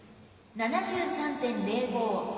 ７３．０５